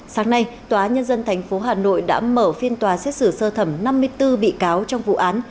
sáng nay tòa nhân dân tp hà nội đã mở phiên tòa xét xử sơ thẩm năm mươi bốn bị cáo trong vụ án